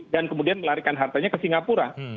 dan kemudian melarikan hartanya ke singapura